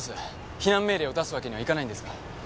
避難命令を出すわけにはいかないんですか？